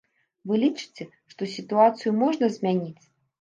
Вы лічыце, што сітуацыю можна змяніць?